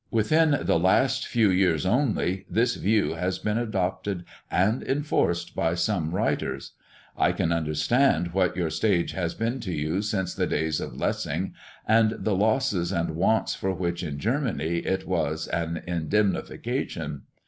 Within the last few years only this view has been adopted and enforced by some writers. I can understand what your stage has been to you since the days of Lessing, and the losses and wants for which in Germany it was an indemnification.